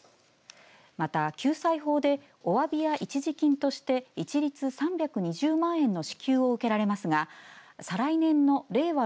また、救済法でおわびや一時金として一律３２０万円の支給を受けられますが再来年の令和